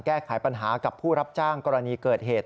แก้ไขปัญหากับผู้รับจ้างกรณีเกิดเหตุ